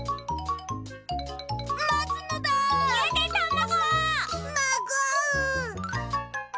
まご！